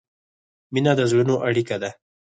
مینه د زړونو اړیکه ده.